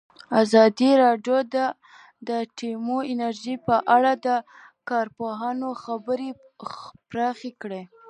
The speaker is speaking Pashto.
ازادي راډیو د اټومي انرژي په اړه د کارپوهانو خبرې خپرې کړي.